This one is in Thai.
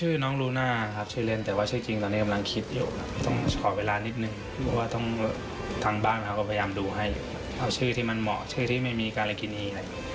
เอาชื่อที่มันเหมาะชื่อที่ไม่มีการแกรกินี